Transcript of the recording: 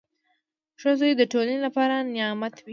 • ښه زوی د ټولنې لپاره نعمت وي.